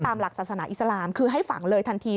หลักศาสนาอิสลามคือให้ฝังเลยทันที